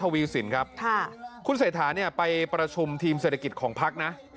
หลายฝ่ายก็จับจ้องว่าอาจจะเป็นตัวสอดแทรกมารับตำแหน่งนายก